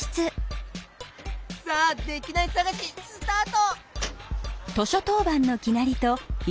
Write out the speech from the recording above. さあできないさがしスタート！